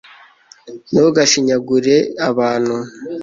Ntugashinyagure abantu